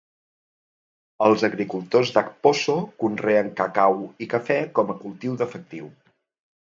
Els agricultors d'Akposso conreen cacau i cafè com a cultiu d'efectiu.